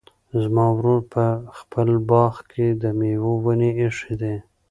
زما ورور په خپل باغ کې د مېوو ونې ایښي دي.